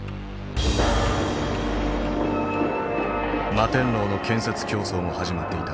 摩天楼の建設競争も始まっていた。